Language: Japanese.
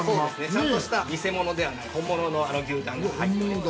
ちゃんとしたにせものではない本物の牛タンが入っております。